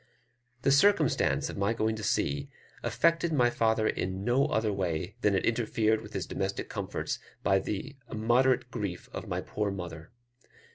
The circumstance of my going to sea affected my father in no other way than it interfered with his domestic comforts by the immoderate grief of my poor mother.